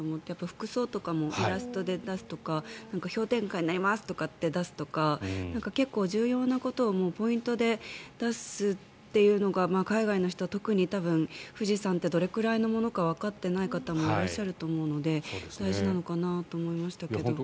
服装とかもイラストで出すとか氷点下になりますとか出すとか結構重要なことをポイントで出すというのが海外の人は特に多分、富士山ってどれくらいのものかわかっていない方もいらっしゃると思うので大事なのかなと思いましたけど。